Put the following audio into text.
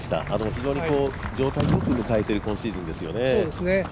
非常に状態よく迎えている今シーズンですよね。